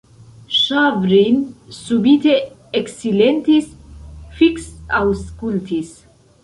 Ŝavrin subite eksilentis, fiksaŭskultis.